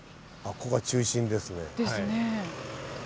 ここが中心ですね。ですね。